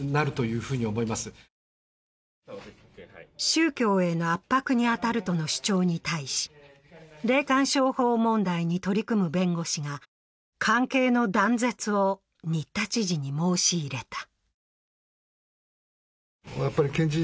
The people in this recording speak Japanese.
宗教への圧迫に当たるとの主張に対し霊感商法問題に取り組む弁護士が関係の断絶を新田知事に申し入れた。